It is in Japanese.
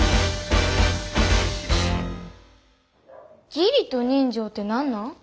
義理と人情って何なん？